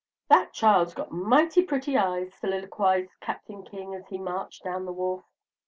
"That child's got mighty pretty eyes," soliloquized Captain King, as he marched down the wharf.